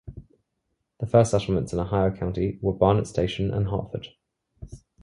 The first settlements in Ohio County were Barnetts Station and Hartford.